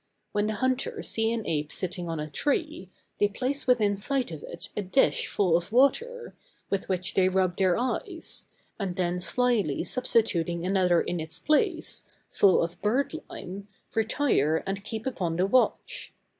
When the hunters see an ape sitting on a tree, they place within sight of it a dish full of water, with which they rub their eyes; and then slyly substituting another in its place, full of bird lime, retire and keep upon the watch.